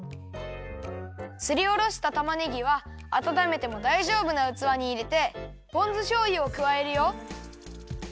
すりおろしたたまねぎはあたためてもだいじょうぶなうつわにいれてポン酢しょうゆをくわえるよ。